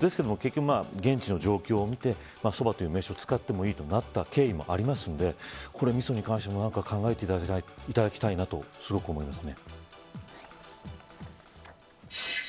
結局、現地の状況を見てそばという名称を使ってもいいという経緯もあったのでみそに関しても、何か考えていただきたいなと思います。